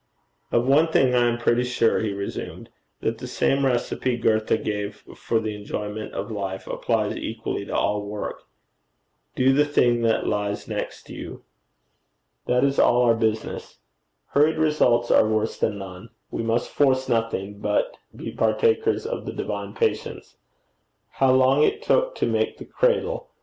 'Of one thing I am pretty sure,' he resumed, 'that the same recipe Goethe gave for the enjoyment of life, applies equally to all work: "Do the thing that lies next you." That is all our business. Hurried results are worse than none. We must force nothing, but be partakers of the divine patience. How long it took to make the cradle!